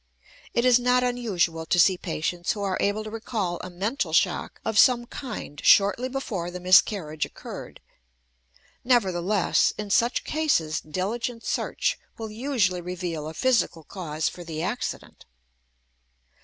It is not unusual to see patients who are able to recall a mental shock of some kind shortly before the miscarriage occurred; nevertheless, in such cases diligent search will usually reveal a physical cause for the accident.